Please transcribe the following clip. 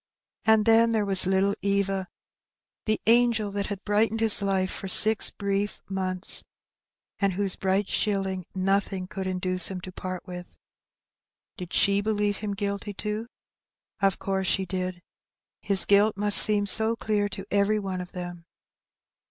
And then there was little Eva, the angel that had brightened his life for six brief months, and whose bright shilling nothing could induce him to part with. Did she believe him guilty too? Of course she did. His guilt must seem so clear to every one of them.